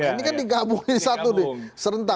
ini kan digabungin satu nih serentak